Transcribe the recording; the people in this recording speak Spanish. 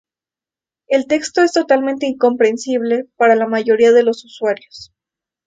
El texto es totalmente incomprensible para la mayoría de los usuarios.